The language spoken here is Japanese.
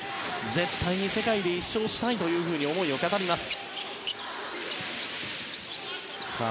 絶対に世界で１勝したいと思いを語ります。